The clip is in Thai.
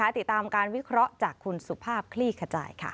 ติดตามการวิเคราะห์จากคุณสุภาพคลี่ขจายค่ะ